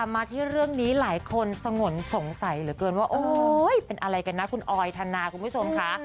มาที่เรื่องนี้หลายคนสงนสงสัยเหลือเกินว่าโอ๊ยเป็นอะไรกันนะคุณออยธนาคุณผู้ชมค่ะ